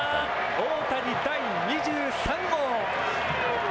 大谷、第２３号！